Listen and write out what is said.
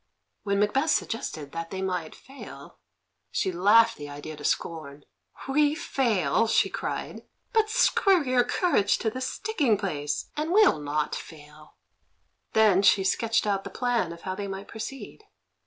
When Macbeth suggested that they might fail, she laughed the idea to scorn. "We fail!" she cried. "But screw your courage to the sticking place, and we'll not fail." Then she sketched out the plan of how they might proceed.